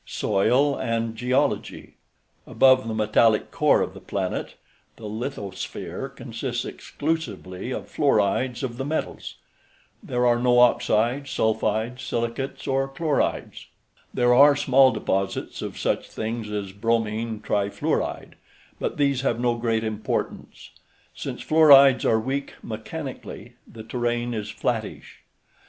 SOIL AND GEOLOGY Above the metallic core of the planet, the lithosphere consists exclusively of fluorides of the metals. There are no oxides, sulfides, silicates or chlorides. There are small deposits of such things as bromine trifluoride, but these have no great importance. Since fluorides are weak mechanically, the terrain is flattish.